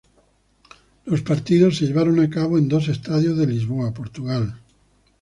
Los partidos se llevaron a cabo en dos estadios de Lisboa, Portugal.